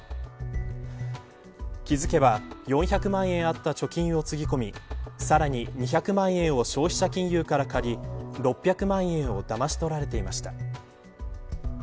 気付けば、４００万円あった貯金をつぎ込みさらに２００万円を消費者金融から借り６００万円をだまし取られていました。